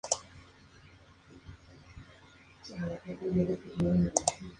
En sus años de apogeo, "Goupil" amplió su actividad al comercio de obras originales.